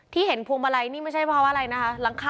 ที่เห็นพวงมาลัยนี่ไม่ใช่เพราะอะไรนะคะแล้วข้างหนุ่มแ็กนะครับ